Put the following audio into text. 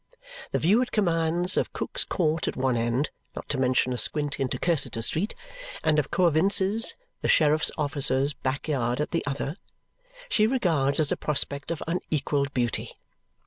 The view it commands of Cook's Court at one end (not to mention a squint into Cursitor Street) and of Coavinses' the sheriff's officer's backyard at the other she regards as a prospect of unequalled beauty.